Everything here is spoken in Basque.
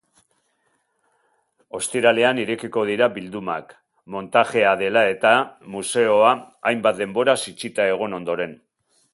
Ostiralean irekiko dira bildumak, montajea dela-eta museoa hainbat denboraz itxita egon ondoren.